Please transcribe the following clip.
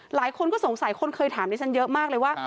หลายคนก็สงสัยคนเคยถามดิฉันเยอะมากเลยว่า